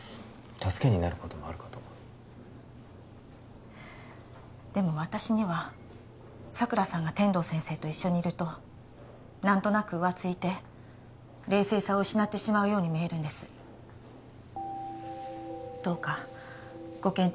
助けになることもあるかとでも私には佐倉さんが天堂先生と一緒にいると何となく浮ついて冷静さを失ってしまうように見えるんですどうかご検討